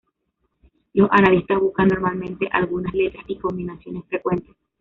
Los analistas buscan normalmente algunas letras y combinaciones frecuentes.